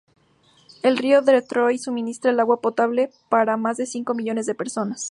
El río Detroit suministra el agua potable para más de cinco millones de personas.